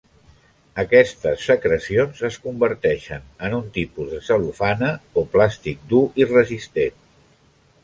Aquestes secrecions es converteixen en un tipus de cel·lofana o plàstic dur i resistent.